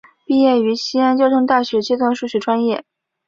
毕业于西安交通大学计算数学专业。